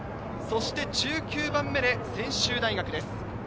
１９番目で専修大学です。